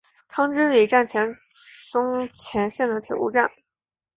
汤之里站松前线的铁路站。